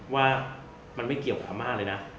ว่ามันไม่เกี่ยวกับอาม่าเลยนะ